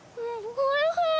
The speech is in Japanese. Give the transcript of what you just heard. おいしい。